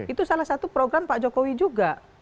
itu salah satu program pak jokowi juga